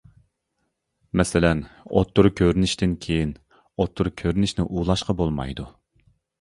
مەسىلەن : ئوتتۇرا كۆرۈنۈشتىن كىيىن ئوتتۇرا كۆرۈنۈشنى ئۇلاشقا بولمايدۇ.